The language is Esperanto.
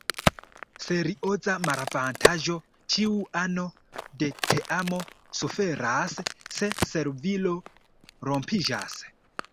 Serioza malavantaĝo: ĉiu ano de teamo suferas se servilo rompiĝas.